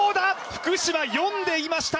福島、読んでいました！